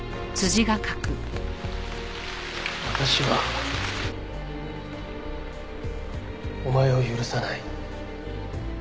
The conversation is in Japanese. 「私はお前を許さない」